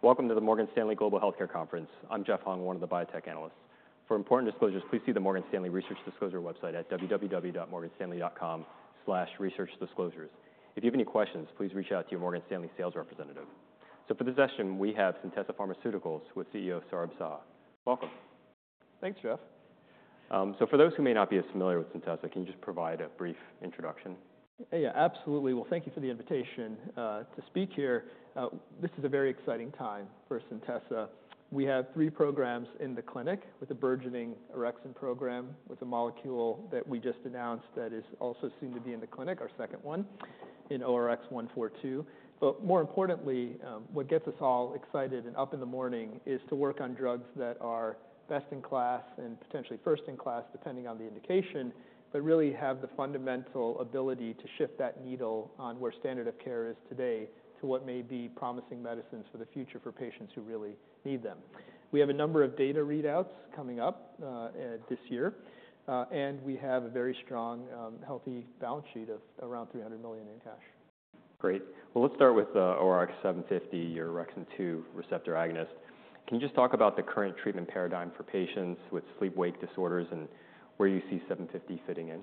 Welcome to the Morgan Stanley Global Healthcare Conference. I'm Jeff Hung, one of the biotech analysts. For important disclosures, please see the Morgan Stanley Research Disclosure website at www.morganstanley.com/researchdisclosures. If you have any questions, please reach out to your Morgan Stanley sales representative. So for this session, we have Centessa Pharmaceuticals with CEO Saurabh Saha. Welcome. Thanks, Jeff. So, for those who may not be as familiar with Centessa, can you just provide a brief introduction? Yeah, absolutely. Well, thank you for the invitation to speak here. This is a very exciting time for Centessa. We have three programs in the clinic with a burgeoning orexin program, with a molecule that we just announced that is also soon to be in the clinic, our second one, ORX142. But more importantly, what gets us all excited and up in the morning is to work on drugs that are best-in-class and potentially first-in-class, depending on the indication, but really have the fundamental ability to shift that needle on where standard of care is today to what may be promising medicines for the future for patients who really need them. We have a number of data readouts coming up this year, and we have a very strong healthy balance sheet of around $300 million in cash. Great. Well, let's start with the ORX750, your orexin-2 receptor agonist. Can you just talk about the current treatment paradigm for patients with sleep-wake disorders and where you see 750 fitting in?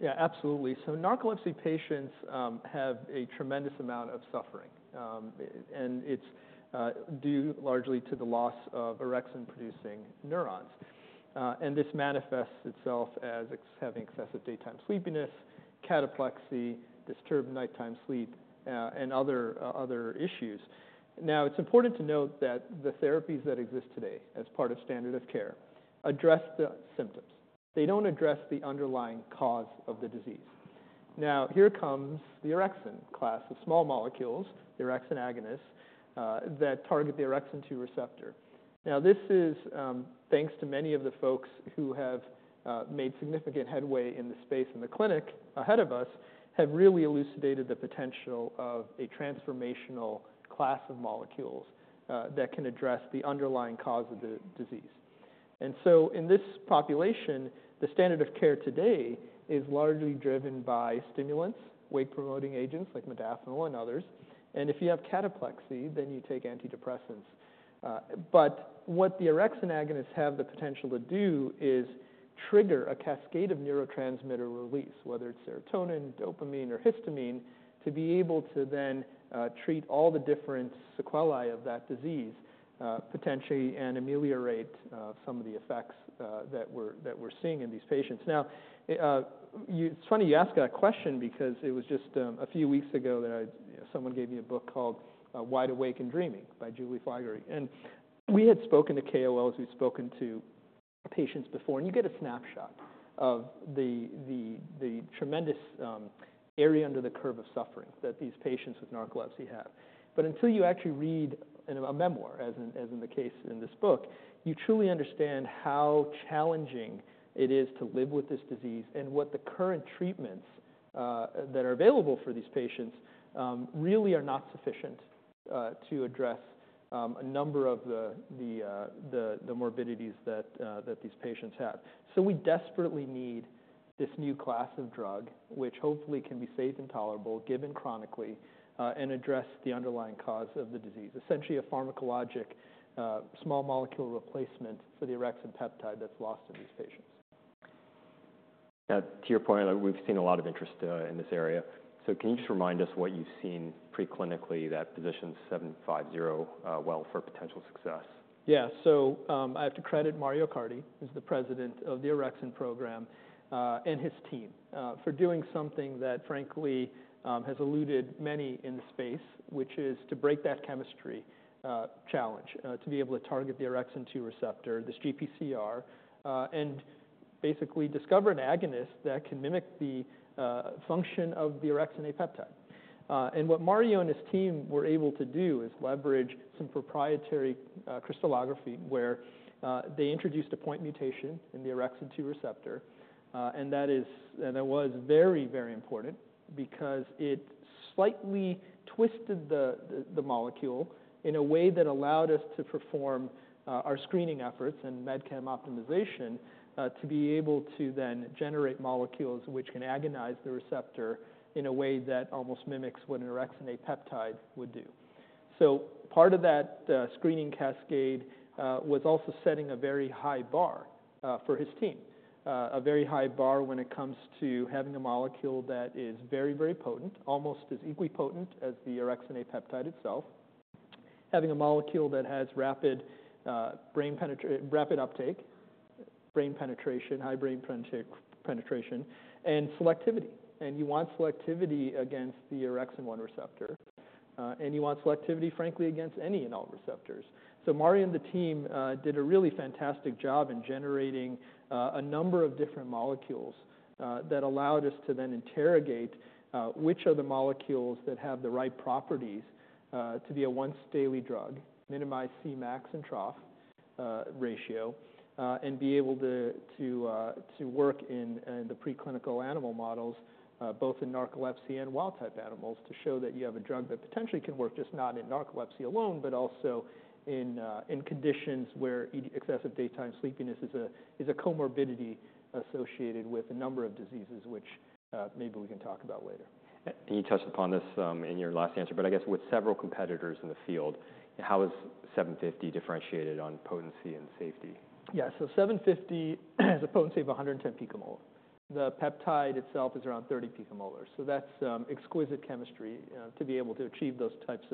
Yeah, absolutely. So narcolepsy patients have a tremendous amount of suffering, and it's due largely to the loss of orexin-producing neurons. And this manifests itself as having excessive daytime sleepiness, cataplexy, disturbed nighttime sleep, and other issues. Now, it's important to note that the therapies that exist today as part of standard of care address the symptoms. They don't address the underlying cause of the disease. Now, here comes the orexin class of small molecules, the orexin agonists that target the orexin-2 receptor. Now, this is thanks to many of the folks who have made significant headway in the space in the clinic ahead of us, have really elucidated the potential of a transformational class of molecules that can address the underlying cause of the disease. And so in this population, the standard of care today is largely driven by stimulants, wake-promoting agents like modafinil and others, and if you have cataplexy, then you take antidepressants. But what the orexin agonists have the potential to do is trigger a cascade of neurotransmitter release, whether it's serotonin, dopamine, or histamine, to be able to then treat all the different sequelae of that disease, potentially and ameliorate some of the effects that we're seeing in these patients. Now, it's funny you ask that question because it was just a few weeks ago that someone gave me a book called Wide Awake and Dreaming, by Julie Flygare. We had spoken to KOLs. We've spoken to patients before, and you get a snapshot of the tremendous area under the curve of suffering that these patients with narcolepsy have. Until you actually read in a memoir, as in the case in this book, you truly understand how challenging it is to live with this disease and what the current treatments that are available for these patients really are not sufficient to address a number of the morbidities that these patients have. We desperately need this new class of drug, which hopefully can be safe and tolerable, given chronically, and address the underlying cause of the disease. Essentially, a pharmacologic small molecule replacement for the orexin peptide that's lost in these patients. To your point, we've seen a lot of interest in this area. So can you just remind us what you've seen preclinically that positions 750 for potential success? Yeah. So, I have to credit Mario Accardi, who's the president of the Orexin program, and his team, for doing something that frankly, has eluded many in the space, which is to break that chemistry challenge, to be able to target the orexin-2 receptor, this GPCR, and basically discover an agonist that can mimic the function of the orexin A peptide. And what Mario and his team were able to do is leverage some proprietary crystallography, where they introduced a point mutation in the orexin-2 receptor. That was very, very important because it slightly twisted the molecule in a way that allowed us to perform our screening efforts and med chem optimization to be able to then generate molecules which can agonize the receptor in a way that almost mimics what an orexin A peptide would do. So part of that screening cascade was also setting a very high bar for his team. A very high bar when it comes to having a molecule that is very, very potent, almost as equally potent as the orexin A peptide itself. Having a molecule that has rapid uptake, brain penetration, high brain penetration, and selectivity. And you want selectivity against the orexin-1 receptor, and you want selectivity, frankly, against any and all receptors. So Mario and the team did a really fantastic job in generating a number of different molecules that allowed us to then interrogate which of the molecules that have the right properties to be a once daily drug, minimize Cmax and trough ratio, and be able to work in the preclinical animal models both in narcolepsy and wild-type animals, to show that you have a drug that potentially can work just not in narcolepsy alone, but also in conditions where excessive daytime sleepiness is a comorbidity associated with a number of diseases, which maybe we can talk about later. You touched upon this in your last answer, but I guess with several competitors in the field, how is ORX750 differentiated on potency and safety? Yeah. So seven fifty has a potency of 110 picomolar. The peptide itself is around 30 picomolar, so that's exquisite chemistry to be able to achieve those types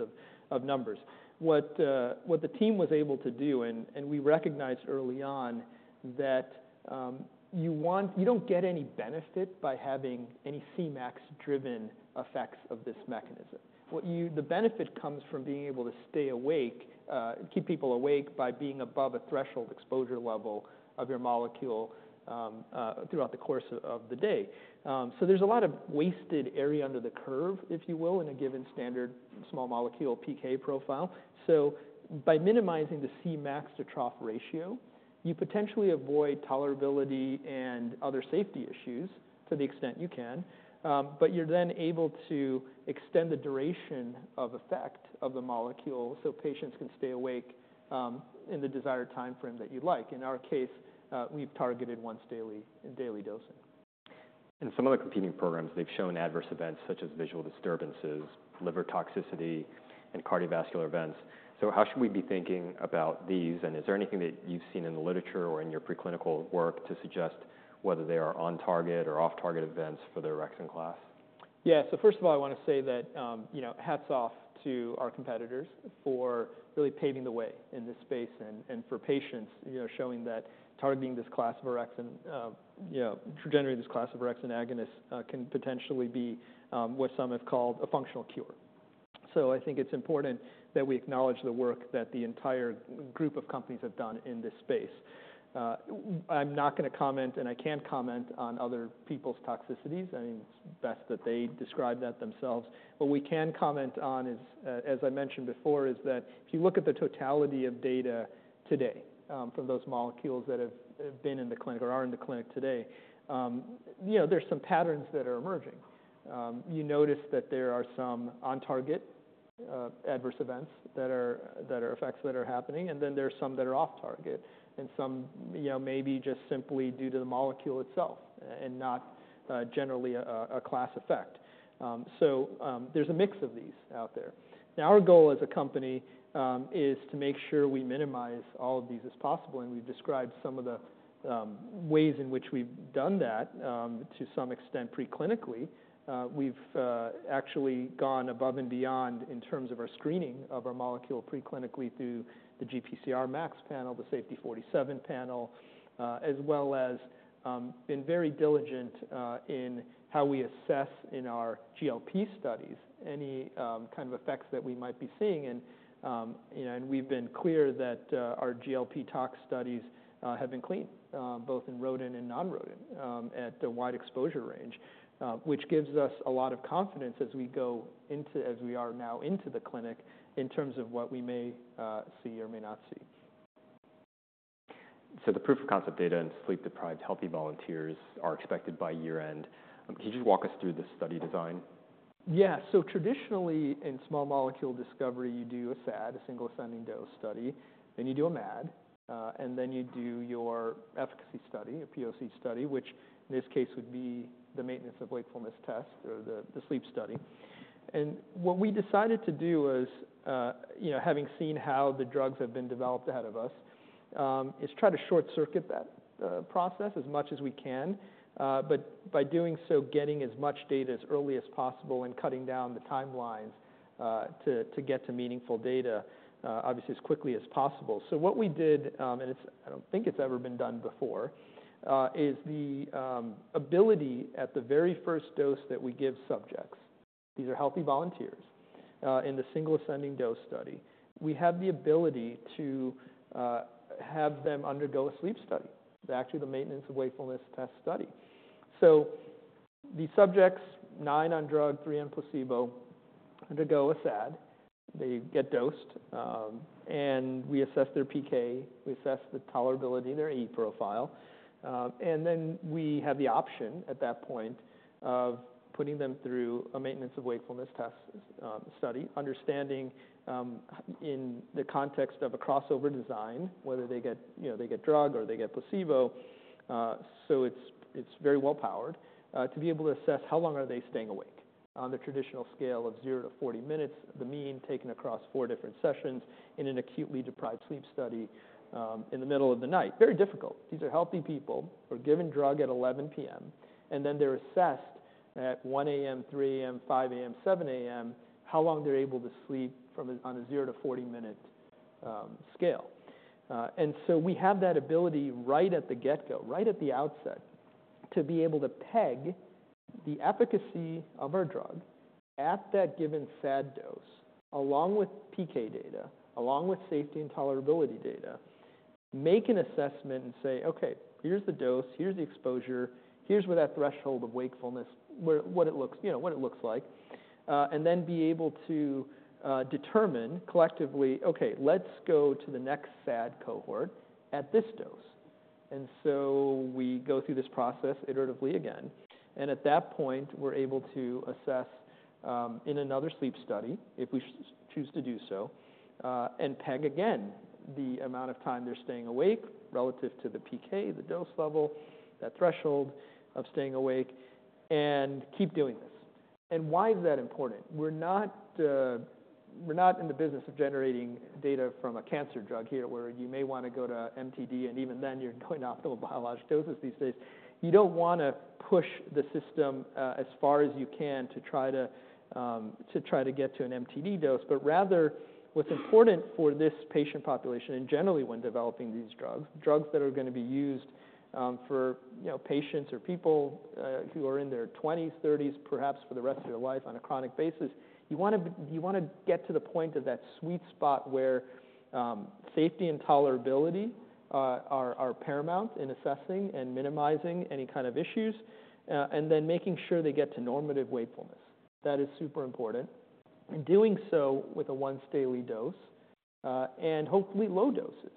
of numbers. What the team was able to do, and we recognized early on, that you don't get any benefit by having any Cmax-driven effects of this mechanism. The benefit comes from being able to stay awake, keep people awake by being above a threshold exposure level of your molecule throughout the course of the day. So there's a lot of wasted area under the curve, if you will, in a given standard small molecule PK profile. So by minimizing the Cmax to trough ratio, you potentially avoid tolerability and other safety issues to the extent you can. But you're then able to extend the duration of effect of the molecule so patients can stay awake in the desired timeframe that you'd like. In our case, we've targeted once daily oral dosing. In some of the competing programs, they've shown adverse events such as visual disturbances, liver toxicity, and cardiovascular events. So how should we be thinking about these? And is there anything that you've seen in the literature or in your preclinical work to suggest whether they are on-target or off-target events for the orexin class? Yeah. So first of all, I want to say that, you know, hats off to our competitors for really paving the way in this space and, and for patients, you know, showing that targeting this class of orexin, you know, generally this class of orexin agonist, can potentially be, what some have called a functional cure. So I think it's important that we acknowledge the work that the entire group of companies have done in this space. I'm not going to comment, and I can't comment on other people's toxicities. I mean, it's best that they describe that themselves. What we can comment on is, as I mentioned before, is that if you look at the totality of data today, from those molecules that have been in the clinic or are in the clinic today, you know, there's some patterns that are emerging. You notice that there are some on-target, adverse events that are effects that are happening, and then there are some that are off-target and some, you know, maybe just simply due to the molecule itself and not, generally a class effect. So, there's a mix of these out there. Now, our goal as a company, is to make sure we minimize all of these as possible, and we've described some of the, ways in which we've done that, to some extent, preclinically. We've actually gone above and beyond in terms of our screening of our molecule preclinically through the GPCR Max panel, the SAFETY47 panel, as well as, been very diligent, in how we assess in our GLP studies any, kind of effects that we might be seeing. And, you know, and we've been clear that, our GLP tox studies, have been clean, both in rodent and non-rodent, at the wide exposure range, which gives us a lot of confidence as we go into, as we are now into the clinic, in terms of what we may, see or may not see. So the proof of concept data in sleep-deprived, healthy volunteers are expected by year end. Can you just walk us through the study design? Yeah. So traditionally, in small molecule discovery, you do a SAD, a single ascending dose study, then you do a MAD, and then you do your efficacy study, a POC study, which in this case, would be the Maintenance of Wakefulness Test or the sleep study. And what we decided to do is, you know, having seen how the drugs have been developed ahead of us, is try to short-circuit that, process as much as we can, but by doing so, getting as much data as early as possible and cutting down the timelines, to get to meaningful data, obviously, as quickly as possible. So what we did, and it's, I don't think it's ever been done before, is the, ability at the very first dose that we give subjects. These are healthy volunteers. In the single ascending dose study, we have the ability to have them undergo a sleep study, actually, the Maintenance of Wakefulness Test study. The subjects, nine on drug, three on placebo, undergo a SAD. They get dosed, and we assess their PK, we assess the tolerability, their AE profile, and then we have the option at that point of putting them through a Maintenance of Wakefulness Test study, understanding in the context of a crossover design, whether they get, you know, they get drug or they get placebo. So it's very well powered to be able to assess how long are they staying awake on the traditional scale of zero to 40 minutes, the mean taken across four different sessions in an acutely deprived sleep study in the middle of the night. Very difficult. These are healthy people who are given drug at 11:00 PM, and then they're assessed at 1:00 AM, 3:00 AM, 5:00 AM, 7:00 AM, how long they're able to sleep on a 0 minute-40-minute scale. And so we have that ability right at the get-go, right at the outset, to be able to peg the efficacy of our drug at that given SAD dose, along with PK data, along with safety and tolerability data, make an assessment and say, "Okay, here's the dose, here's the exposure, here's where that threshold of wakefulness, where what it looks, you know, what it looks like." And then be able to determine collectively, "Okay, let's go to the next SAD cohort at this dose." And so we go through this process iteratively again, and at that point, we're able to assess in another sleep study, if we choose to do so, and peg again the amount of time they're staying awake relative to the PK, the dose level, that threshold of staying awake, and keep doing this. And why is that important? We're not, we're not in the business of generating data from a cancer drug here, where you may want to go to MTD, and even then, you're in optimal biologic doses these days. You don't want to push the system as far as you can to try to get to an MTD dose, but rather, what's important for this patient population, and generally when developing these drugs, drugs that are going to be used for, you know, patients or people who are in their twenties, thirties, perhaps for the rest of their life on a chronic basis, you wanna get to the point of that sweet spot where safety and tolerability are paramount in assessing and minimizing any kind of issues, and then making sure they get to normative wakefulness. That is super important. And doing so with a once daily dose, and hopefully low doses.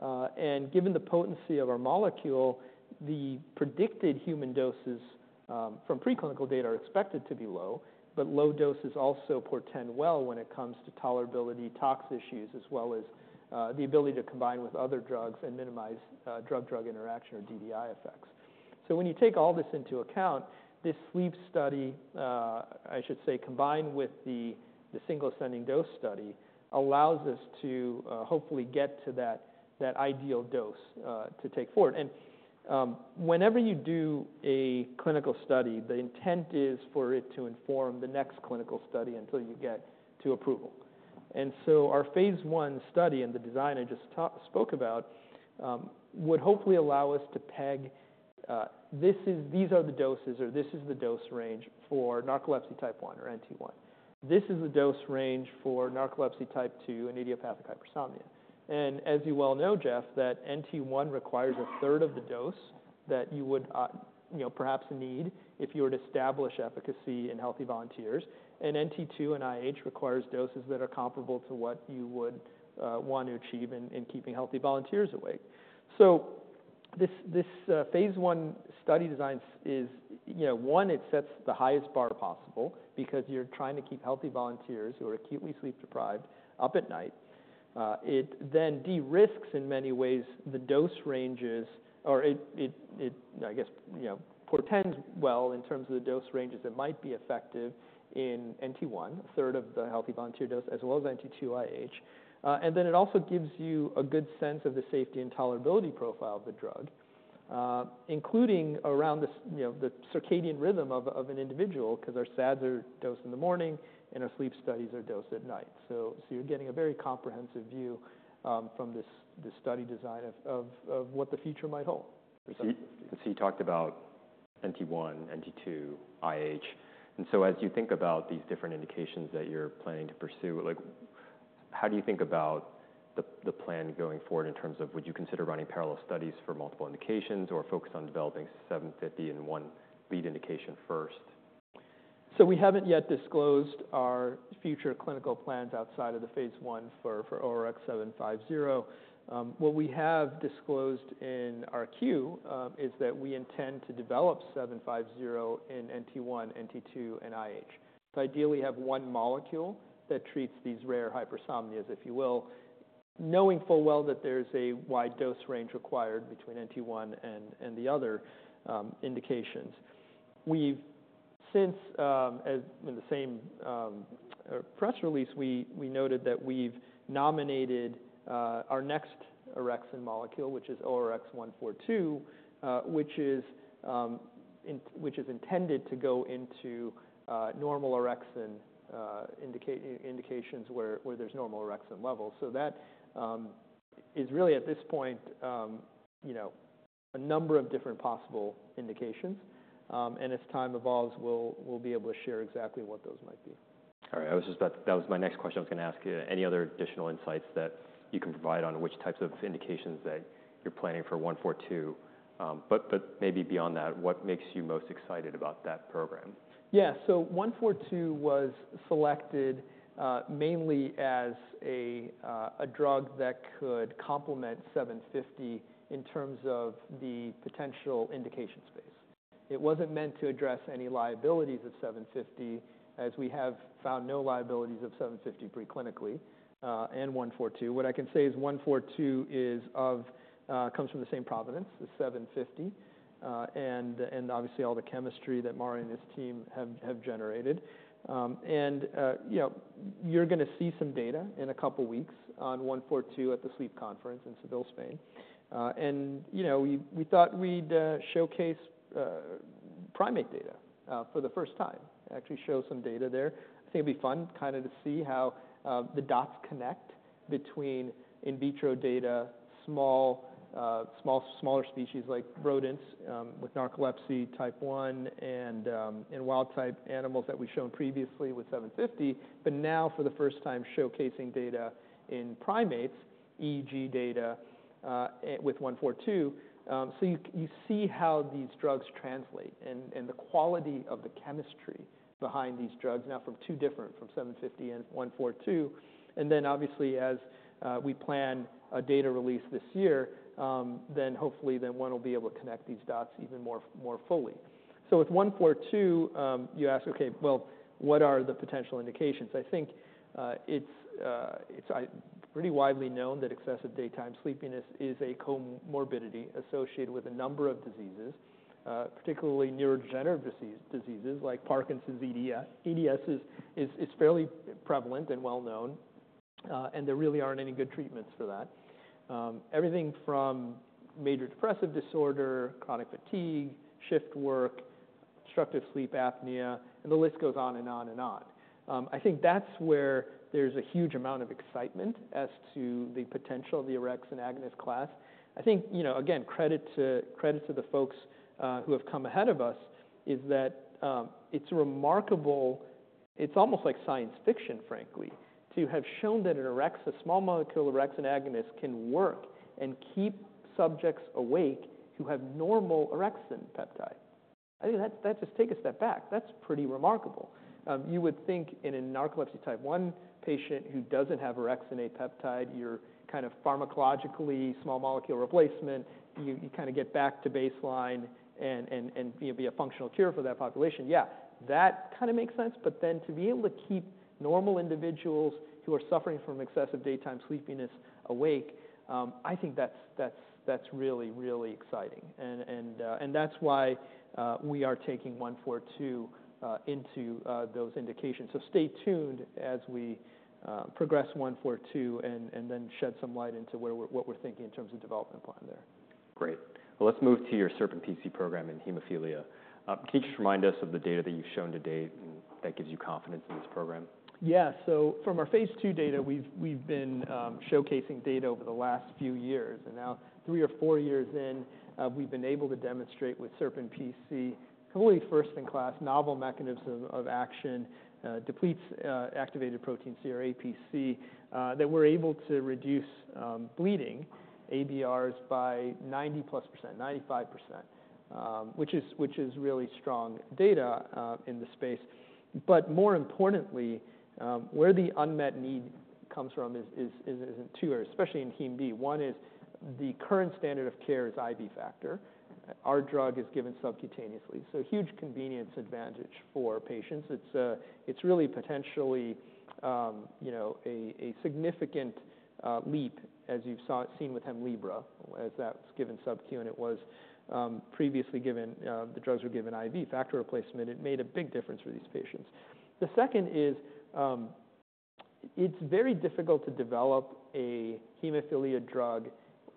And given the potency of our molecule, the predicted human doses from preclinical data are expected to be low, but low doses also portend well when it comes to tolerability, tox issues, as well as the ability to combine with other drugs and minimize drug-drug interaction or DDI effects. So when you take all this into account, this sleep study, I should say, combined with the single ascending dose study, allows us to hopefully get to that ideal dose to take forward. And whenever you do a clinical study, the intent is for it to inform the next clinical study until you get to approval. So our phase I study and the design I just spoke about would hopefully allow us to peg. These are the doses or this is the dose range for narcolepsy type one or NT1. This is the dose range for narcolepsy type two and idiopathic hypersomnia. As you well know, Jeff, that NT1 requires a third of the dose that you would, you know, perhaps need if you were to establish efficacy in healthy volunteers. And NT2 and IH requires doses that are comparable to what you would want to achieve in keeping healthy volunteers awake. This phase I study design is, you know, one, it sets the highest bar possible because you are trying to keep healthy volunteers who are acutely sleep-deprived up at night. It then de-risks, in many ways, the dose ranges or I guess, you know, portends well in terms of the dose ranges that might be effective in NT1, a third of the healthy volunteer dose, as well as NT2 IH. And then it also gives you a good sense of the safety and tolerability profile of the drug, including around you know, the circadian rhythm of an individual, 'cause our SADs are dosed in the morning and our sleep studies are dosed at night. You're getting a very comprehensive view from this study design of what the future might hold. So you talked about NT1, NT2, IH. And so as you think about these different indications that you're planning to pursue, like, how do you think about the plan going forward in terms of would you consider running parallel studies for multiple indications or focus on developing 750 in one lead indication first? So we haven't yet disclosed our future clinical plans outside of the phase I for ORX750. What we have disclosed in our Q is that we intend to develop 750 in NT1, NT2, and IH. So ideally, have one molecule that treats these rare hypersomnias, if you will, knowing full well that there's a wide dose range required between NT1 and the other indications. We have since, as in the same press release, we noted that we've nominated our next orexin molecule, which is ORX142, which is intended to go into normal orexin indications where there's normal orexin levels. So that is really at this point, you know, a number of different possible indications. And as time evolves, we'll be able to share exactly what those might be. All right. I was just about, that was my next question I was going to ask you. Any other additional insights that you can provide on which types of indications that you're planning for 142? But maybe beyond that, what makes you most excited about that program? Yeah. So ORX142 was selected mainly as a drug that could complement 750 in terms of the potential indication space. It wasn't meant to address any liabilities of 750, as we have found no liabilities of ORX750 pre-clinically and ORX142. What I can say is ORX142 comes from the same provenance as ORX750 and obviously all the chemistry that Mario and his team have generated. And you know you're gonna see some data in a couple of weeks on ORX142 at the Sleep Conference in Seville, Spain. And you know we thought we'd showcase primate data for the first time. Actually show some data there. I think it'd be fun kinda to see how the dots connect between in vitro data, smaller species like rodents, with Narcolepsy Type 1 and wild-type animals that we've shown previously with 750, but now for the first time, showcasing data in primates, EEG data with 142. So you see how these drugs translate and the quality of the chemistry behind these drugs, now from two different 750 and 142. And then obviously, as we plan a data release this year, then hopefully one will be able to connect these dots even more fully. So with 142, you ask, okay, well, what are the potential indications? I think it's pretty widely known that excessive daytime sleepiness is a comorbidity associated with a number of diseases, particularly neurodegenerative diseases like Parkinson's EDS. EDS is fairly prevalent and well known, and there really aren't any good treatments for that. Everything from major depressive disorder, chronic fatigue, shift work, obstructive sleep apnea, and the list goes on and on and on. I think that's where there's a huge amount of excitement as to the potential of the orexin agonist class. I think, you know, again, credit to the folks who have come ahead of us, is that it's remarkable. It's almost like science fiction, frankly, to have shown that an orexin, a small molecule orexin agonist, can work and keep subjects awake who have normal orexin peptide. I think just take a step back. That's pretty remarkable. You would think in a Narcolepsy Type 1 patient who doesn't have orexin A peptide, you're kind of pharmacologically small molecule replacement, you kinda get back to baseline and be a functional cure for that population. Yeah, that kinda makes sense. But then to be able to keep normal individuals who are suffering from excessive daytime sleepiness awake, I think that's really exciting. That's why we are taking 142 into those indications. So stay tuned as we progress 142 and then shed some light into what we're thinking in terms of development plan there. Great. Let's move to your SerpinPC program in hemophilia. Can you just remind us of the data that you've shown to date, and that gives you confidence in this program? Yeah. So from our phase II data, we've been showcasing data over the last few years, and now three or four years in, we've been able to demonstrate with SerpinPC, completely first-in-class novel mechanism of action, depletes activated protein C or APC, that we're able to reduce bleeding ABRs by 90%+, 95%, which is really strong data in the space. But more importantly, where the unmet need comes from is in two, especially in Hem B. One is the current standard of care is IV factor. Our drug is given subcutaneously, so huge convenience advantage for patients. It's really potentially, you know, a significant leap, as you've seen with Hemlibra, as that's given sub-q, and it was previously given. The drugs were given IV, factor replacement. It made a big difference for these patients. The second is, it's very difficult to develop a hemophilia drug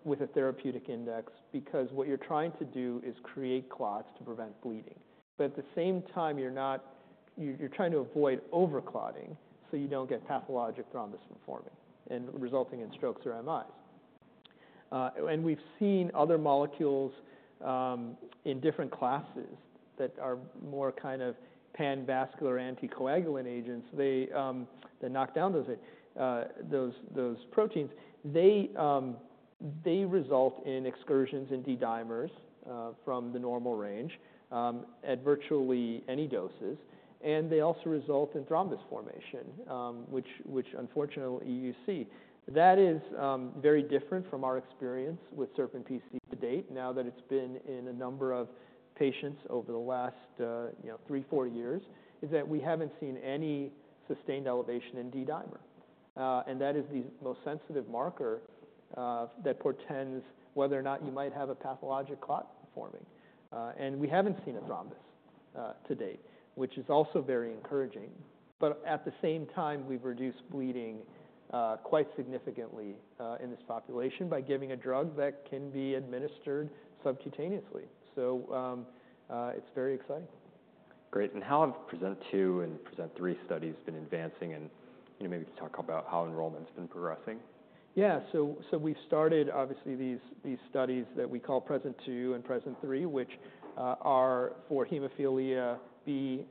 with a therapeutic index because what you're trying to do is create clots to prevent bleeding. But at the same time, you're trying to avoid overclotting, so you don't get pathologic thrombus forming and resulting in strokes or MIs, and we've seen other molecules in different classes that are more kind of pan-vascular anticoagulant agents. They knock down those proteins. They result in excursions in D-dimers from the normal range at virtually any doses, and they also result in thrombus formation, which unfortunately, you see. That is very different from our experience with SerpinPC to date, now that it's been in a number of patients over the last, you know, three, four years, is that we haven't seen any sustained elevation in D-dimer. And that is the most sensitive marker that portends whether or not you might have a pathologic clot forming. And we haven't seen a thrombus to date, which is also very encouraging. But at the same time, we've reduced bleeding quite significantly in this population by giving a drug that can be administered subcutaneously. So, it's very exciting. Great. And how have PRESent-2 and PRESent-3 studies been advancing? And, you know, maybe just talk about how enrollment's been progressing. Yeah. So we started obviously these studies that we call PRESent-2 and PRESent-3, which are for hemophilia B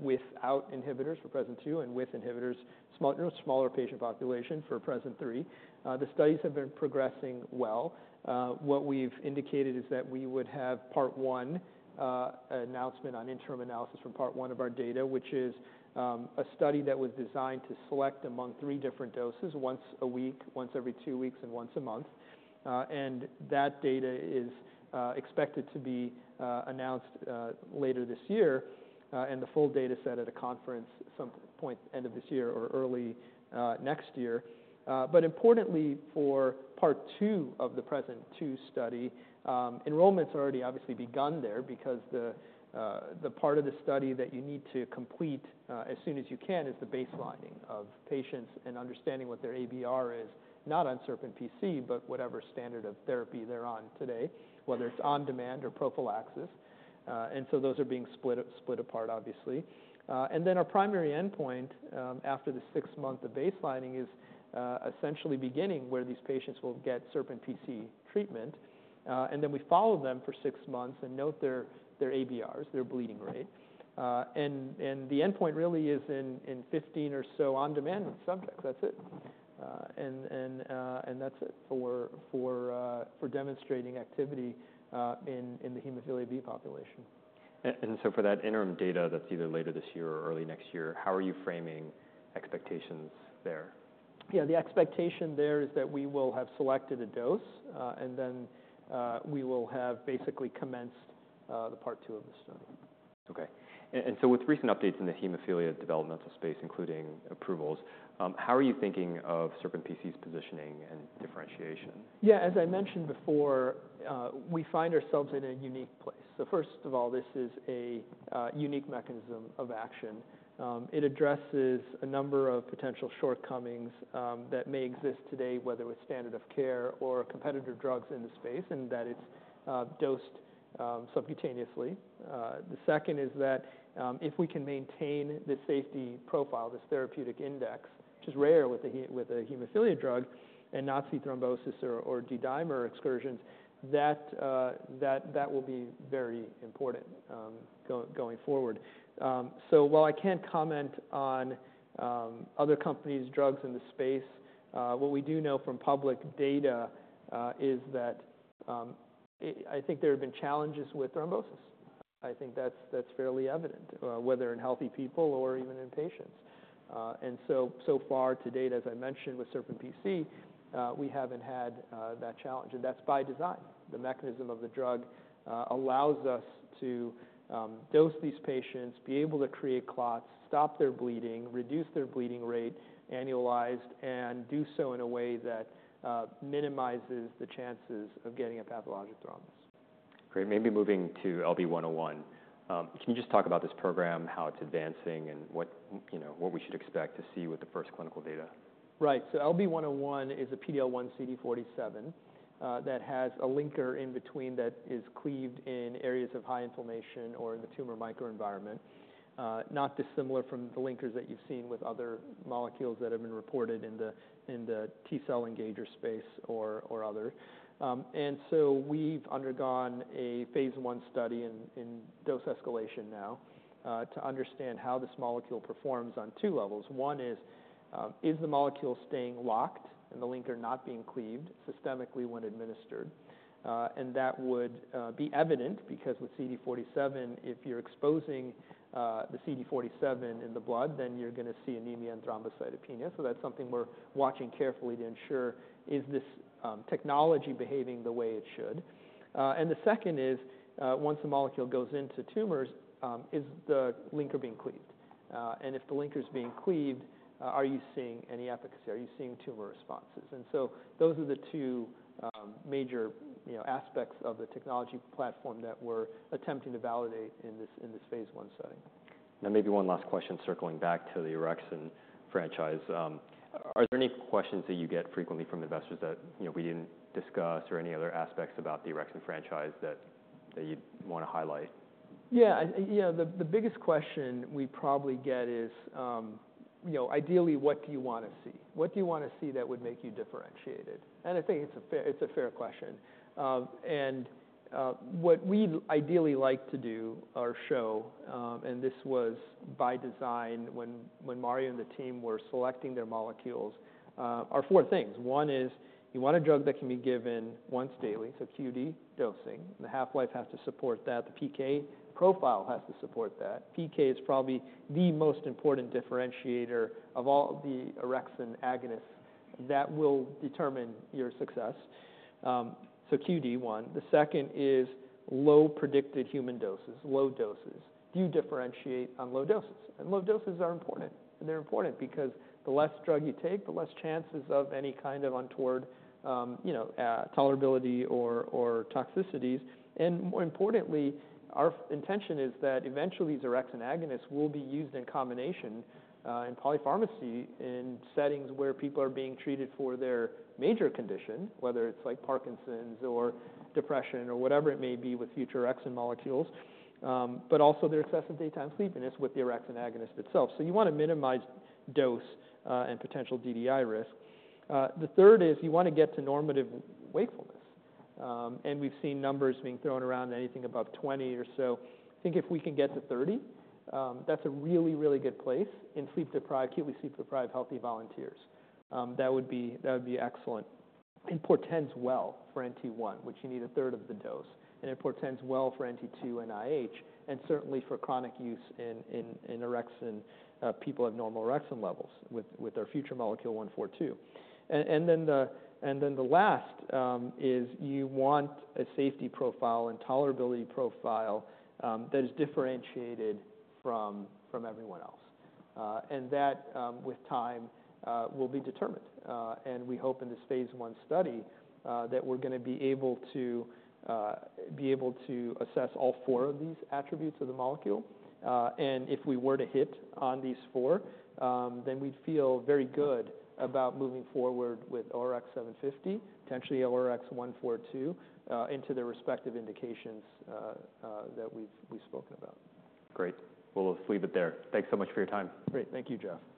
without inhibitors for PRESent-2, and with inhibitors, small, you know, smaller patient population for PRESent-3. The studies have been progressing well. What we've indicated is that we would have part one announcement on interim analysis for part one of our data, which is a study that was designed to select among three different doses, once a week, once every two weeks, and once a month. And that data is expected to be announced later this year, and the full data set at a conference at some point end of this year or early next year. But importantly, for part two of the PRESent-2 study, enrollment's already obviously begun there because the part of the study that you need to complete as soon as you can is the baselining of patients and understanding what their ABR is, not on SerpinPC, but whatever standard of therapy they're on today, whether it's on-demand or prophylaxis. And so those are being split apart, obviously. And then our primary endpoint after the sixth month of baselining is essentially beginning where these patients will get SerpinPC treatment. And then we follow them for six months and note their ABRs, their bleeding rate. And the endpoint really is in fifteen or so on-demand subjects, that's it. That's it for demonstrating activity in the hemophilia B population. And so for that interim data that's either later this year or early next year, how are you framing expectations there? Yeah, the expectation there is that we will have selected a dose, and then we will have basically commenced the part two of the study. Okay. And, and so with recent updates in the hemophilia development space, including approvals, how are you thinking of SerpinPC's positioning and differentiation? Yeah, as I mentioned before, we find ourselves in a unique place. So first of all, this is a unique mechanism of action. It addresses a number of potential shortcomings that may exist today, whether with standard of care or competitor drugs in the space, and that it's dosed subcutaneously. The second is that, if we can maintain the safety profile, this therapeutic index, which is rare with a hemophilia drug, and not see thrombosis or D-dimer excursions, that will be very important going forward. So while I can't comment on other companies' drugs in the space, what we do know from public data is that I think there have been challenges with thrombosis. I think that's fairly evident, whether in healthy people or even in patients. And so far to date, as I mentioned with SerpinPC, we haven't had that challenge, and that's by design. The mechanism of the drug allows us to dose these patients, be able to create clots, stop their bleeding, reduce their bleeding rate, annualized, and do so in a way that minimizes the chances of getting a pathologic thrombosis. Great. Maybe moving to LB101. Can you just talk about this program, how it's advancing and what, you know, what we should expect to see with the first clinical data? Right. So LB101 is a PD-L1 CD47, that has a linker in between that is cleaved in areas of high inflammation or in the tumor microenvironment. Not dissimilar from the linkers that you've seen with other molecules that have been reported in the T cell engager space or other. And so we've undergone a phase I study in dose escalation now, to understand how this molecule performs on two levels. One is, is the molecule staying locked and the linker not being cleaved systemically when administered? And that would, be evident because with CD47, if you're exposing, the CD47 in the blood, then you're gonna see anemia and thrombocytopenia. So that's something we're watching carefully to ensure, is this, technology behaving the way it should? And the second is, once the molecule goes into tumors, is the linker being cleaved? And if the linker is being cleaved, are you seeing any efficacy? Are you seeing tumor responses? And so those are the two, major, you know, aspects of the technology platform that we're attempting to validate in this phase I setting. Now, maybe one last question, circling back to the orexin franchise. Are there any questions that you get frequently from investors that, you know, we didn't discuss, or any other aspects about the orexin franchise that you'd want to highlight? Yeah, the biggest question we probably get is, you know, ideally, what do you want to see? What do you want to see that would make you differentiated? And I think it's a fair question. And what we'd ideally like to do or show, and this was by design when Mario and the team were selecting their molecules, are four things. One is, you want a drug that can be given once daily, so QD dosing. The half-life has to support that. The PK profile has to support that. PK is probably the most important differentiator of all the orexin agonists that will determine your success. So QD, one. The second is low predicted human doses, low doses. Do you differentiate on low doses? And low doses are important, and they're important because the less drug you take, the less chances of any kind of untoward, you know, tolerability or toxicities. And more importantly, our intention is that eventually the orexin agonists will be used in combination in polypharmacy, in settings where people are being treated for their major condition, whether it's like Parkinson's or depression or whatever it may be with future orexin molecules, but also their excessive daytime sleepiness with the orexin agonist itself. So you want to minimize dose, and potential DDI risk. The third is, you want to get to normative wakefulness. And we've seen numbers being thrown around, anything above twenty or so. I think if we can get to thirty, that's a really, really good place in sleep-deprived, acutely sleep-deprived, healthy volunteers. That would be excellent. It portends well for NT1, which you need a third of the dose, and it portends well for NT2 and IH, and certainly for chronic use in orexin people have normal orexin levels with our future molecule one four two, and then the last is you want a safety profile and tolerability profile that is differentiated from everyone else, and that with time will be determined, and we hope in this phase 1 study that we're gonna be able to assess all four of these attributes of the molecule. And if we were to hit on these four, then we'd feel very good about moving forward with ORX750, potentially ORX142, into their respective indications that we've spoken about. Great. We'll just leave it there. Thanks so much for your time. Great. Thank you, Jeff.